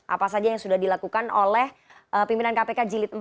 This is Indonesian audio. apa saja yang sudah dilakukan oleh pimpinan kpk jilid empat